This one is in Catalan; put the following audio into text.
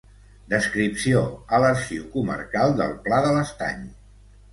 Descripció a l'Arxiu Comarcal del Pla de l'Estany.